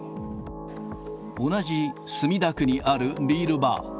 同じ墨田区にあるビールバー。